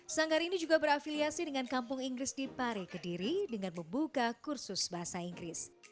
sanggar ini juga berafiliasi dengan kampung inggris di pari kediri dengan membuka kursus bahasa inggris